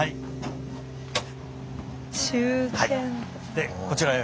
でこちらへ。